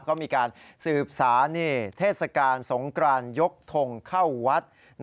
ก็มีการสืบสารเทศกาลสงกรานยกทงเข้าวัด